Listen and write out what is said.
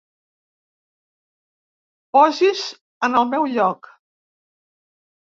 Posi's en el meu lloc!